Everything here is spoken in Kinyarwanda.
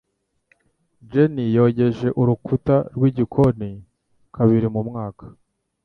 Jenny yogeje urukuta rwigikoni kabiri mu mwaka.